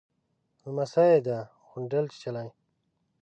_لمسۍ يې ده، غونډل چيچلې.